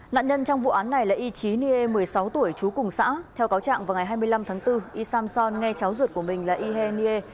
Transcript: nạn nhân trong vụ án này là y chí nghê một mươi sáu tuổi trú cùng xã theo cáo trạng vào ngày hai mươi năm tháng bốn y samson nghe cháu ruột của mình là y hê nghê